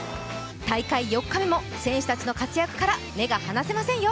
大会４日目も選手たちの活躍から目が離せませんよ。